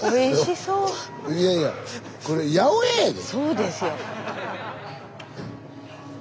そうですよ。